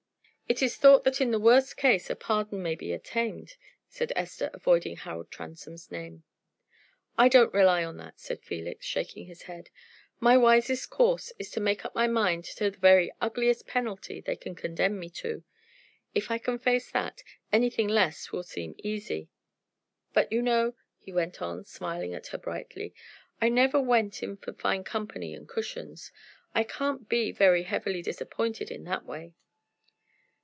"It is thought that in the worst case a pardon may be obtained," said Esther, avoiding Harold Transome's name. "I don't rely on that," said Felix, shaking his head. "My wisest course is to make up my mind to the very ugliest penalty they can condemn me to. If I can face that, anything less will seem easy. But you know," he went on, smiling at her brightly, "I never went in for fine company and cushions. I can't be very heavily disappointed in that way."